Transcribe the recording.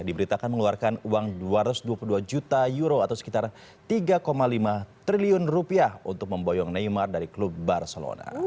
diberitakan mengeluarkan uang dua ratus dua puluh dua juta euro atau sekitar tiga lima triliun rupiah untuk memboyong neymar dari klub barcelona